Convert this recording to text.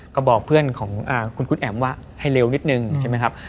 ก็บอกเพื่อนของคุณแอ๋มว่าให้เร็วนิดนึงใช่ไหมครับ